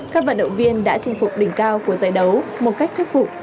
các vận động viên đã chinh phục đỉnh cao của giải đấu một cách thuyết phục